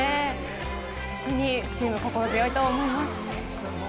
チーム、心強いと思います。